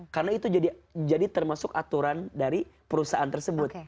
karena itu jadi termasuk aturan dari perusahaan tersebut